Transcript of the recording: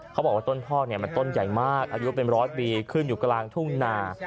เขาบอกว่าต้นพ่อเนี่ยมันต้นใหญ่มากอายุเป็นร้อยปีขึ้นอยู่กลางทุ่งนา